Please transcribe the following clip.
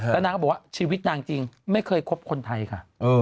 แล้วนางก็บอกว่าชีวิตนางจริงไม่เคยคบคนไทยค่ะ